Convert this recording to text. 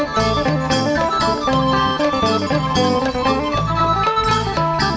โชว์ฮีตะโครน